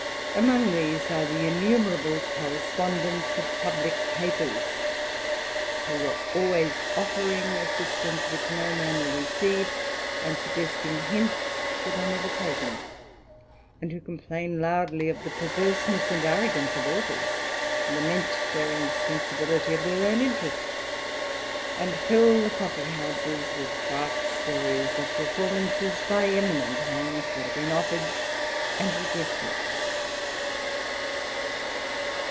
Among these are the innumerable correspondents of publick papers, who are always offering assistance which no man will receive, and suggesting hints that are.never taken, and who complain loudly of the perverseness and arrogance of authors, lament their insensibility of their own interest, and fill the coffee houses with dark stories of performances by eminent hands, which have been offered and rejected.